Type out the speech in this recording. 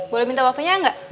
boleh minta waktunya gak